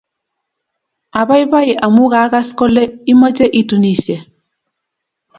Apaipai amun kagas kole imoche itunisye